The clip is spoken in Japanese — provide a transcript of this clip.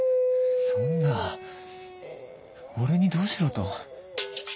そんな俺にどうしろと？